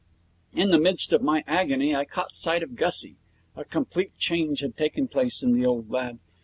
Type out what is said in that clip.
In the midst of my agony I caught sight of Gussie. A complete change had taken place in the old lad.